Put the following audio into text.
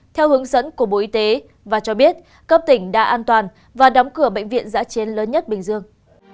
theo hướng dẫn của bộ y tế và cho biết cấp tỉnh đã an toàn và đóng cửa bệnh viện giã chiến lớn nhất bình dương